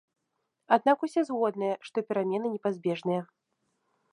Аднак усе згодныя, што перамены непазбежныя.